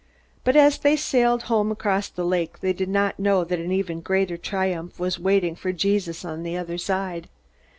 But as they sailed home across the lake they did not know that an even greater triumph was waiting for Jesus on the other side.